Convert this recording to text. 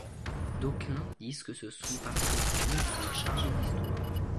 D’aucuns disent que ce sont parce que ces murs sont chargés d’Histoire…